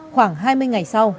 khoảng hai mươi ngày sau